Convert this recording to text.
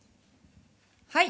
はい。